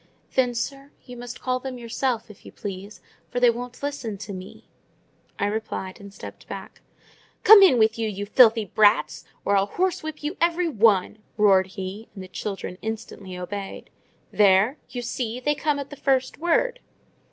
"Then, sir, you must call them yourself, if you please, for they won't listen to me," I replied, stepping back. "Come in with you, you filthy brats; or I'll horsewhip you every one!" roared he; and the children instantly obeyed. "There, you see!—they come at the first word!"